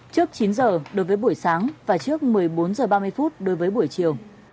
trước chín giờ đối với buổi sáng và trước một mươi bốn h ba mươi phút đối với buổi chiều